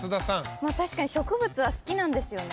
確かに植物は好きなんですよね。